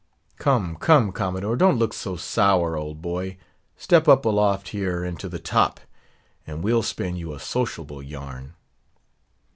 Come, come, Commodore don't look so sour, old boy; step up aloft here into the top, and we'll spin you a sociable yarn.